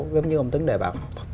giống như ông tấn đệ bảo